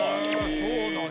そうなんや。